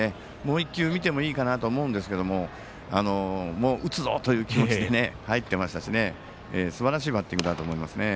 もう１球見てもいいかなと思うんですけどもう、打つぞという気持ちで入ってましたからねすばらしいバッティングだと思いますね。